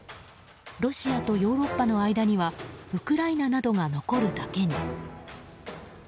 ロシアとヨーロッパの間にはウクライナなどが残るだけに。